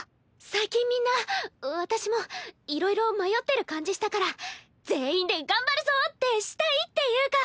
最近みんな私もいろいろ迷ってる感じしたから全員で頑張るぞってしたいっていうか。